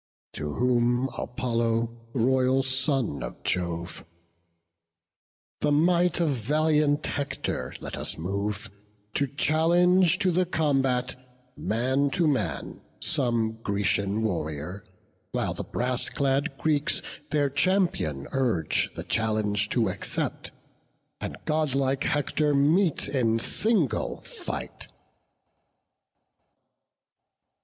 To whom Apollo, royal son of Jove: "The might of valiant Hector let us move To challenge to the combat, man to man, Some Grecian warrior; while the brass clad Greeks Their champion urge the challenge to accept, And godlike Hector meet in single fight."